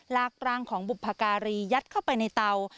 ลากร่างของบุพการียัดเข้าไปในเตา